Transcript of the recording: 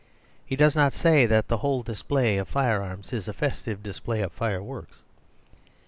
He does not say that the whole display of firearms is a festive display of fireworks.